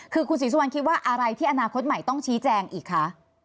คือคุณศรีสุวรรณคิดว่าอะไรที่อนาคตใหม่ต้องชี้แจงอีกคะ